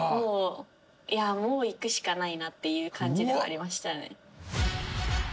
もう行くしかないなっていう感じではありましたね。